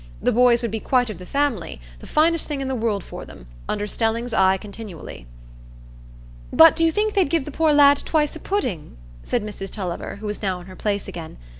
The boys would be quite of the family,—the finest thing in the world for them; under Stelling's eye continually." "But do you think they'd give the poor lad twice o' pudding?" said Mrs Tulliver, who was now in her place again.